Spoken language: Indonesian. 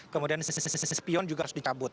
kemudian sisi sisi spion juga harus dicabut